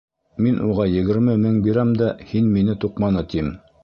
Мин уға егерме мең бирәм дә, һин мине туҡманы, тим.